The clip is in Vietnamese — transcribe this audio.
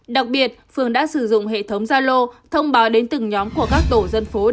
đặc biệt phường đã sử dụng hệ thống gia lô thông báo đến từng nhóm của các tổ dân phố